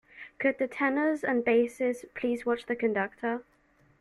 Could the tenors and basses please watch the conductor?